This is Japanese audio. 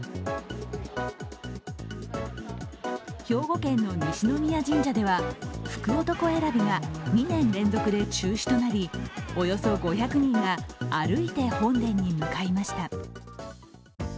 兵庫県の西宮神社では福男選びが２年連続で中止となり、およそ５００人が歩いて本殿に向かいました。